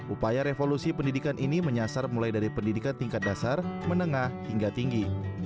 upaya revolusi pendidikan ini menyasar mulai dari pendidikan tingkat dasar menengah hingga tinggi